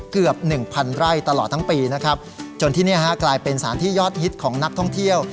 เกือบหนึ่งพันไร่ตลอดทั้งปีนะครับจนที่นี่ฮะกลายเป็นสารที่ยอดฮิตของนักท่องเที่ยว